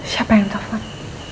siapa yang telepon